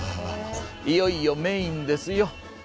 いよいよメインですよ。